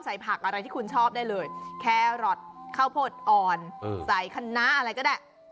ผักอะไรที่คุณชอบได้เลยแครอทข้าวโพดอ่อนใส่คณะอะไรก็ได้